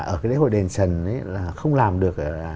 ở cái lễ hội đền trần không làm được